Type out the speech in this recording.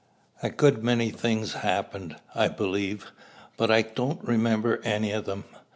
A good many things happened, I believe; but I don't remember any of them.